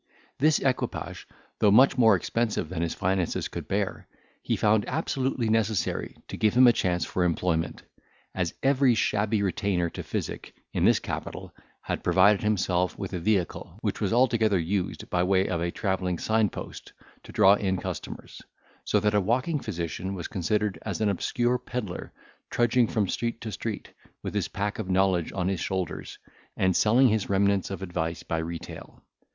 This equipage, though much more expensive than his finances could bear, he found absolutely necessary to give him a chance for employment; as every shabby retainer to physic, in this capital, had provided himself with a vehicle, which was altogether used by way of a travelling sign post, to draw in customers; so that a walking physician was considered as an obscure pedlar, trudging from street to street, with his pack of knowledge on his shoulders, and selling his remnants of advice by retail.